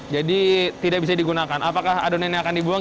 jadi tidak bisa digunakan apakah adonannya akan dibuang